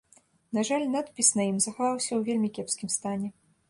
На жаль, надпіс на ім захаваўся ў вельмі кепскім стане.